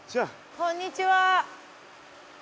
こんにちは。